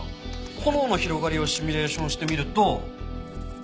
炎の広がりをシミュレーションしてみると。